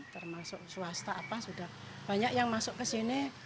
termasuk swasta apa sudah banyak yang masuk ke sini